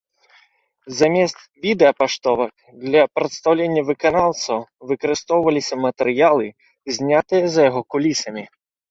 Замест відэапаштовак для прадстаўлення выканаўцаў выкарыстоўваліся матэрыялы, знятыя за яго кулісамі.